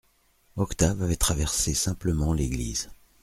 Octave avait traversé simplement l'église.